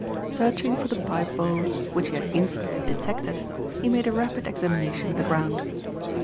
Searching for the pipe bowl which he had instantly detected he made a rapid examination of the ground.